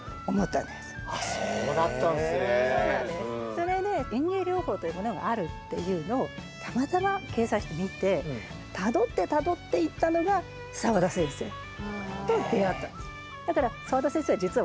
それで園芸療法というものがあるっていうのをたまたま掲載誌で見てたどってたどっていったのが澤田先生と出会ったんです。